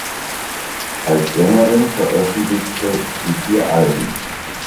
Als Sängerin veröffentlichte sie vier Alben.